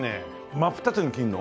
真っ二つに切るの？